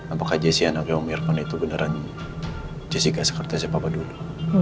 apakah jessy anaknya om irkon itu beneran jessy gak sekerti si papa dulu